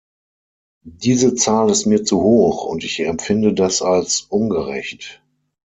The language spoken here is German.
Diese Zahl ist mir zu hoch, und ich empfinde das als ungerecht.